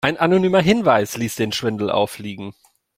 Ein anonymer Hinweis ließ den Schwindel auffliegen.